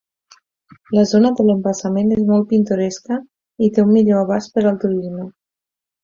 La zona de l'embassament és molt pintoresca i té un millor abast per al turisme.